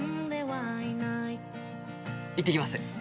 行ってきます。